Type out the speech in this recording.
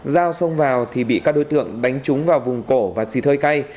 giao xông vào thì bị các đối tượng đánh trúng vào vùng cổ và xì thơi cây